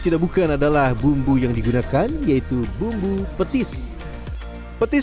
sudah bukan adalah bumbu yang digunakan yaitu bumbu petis petis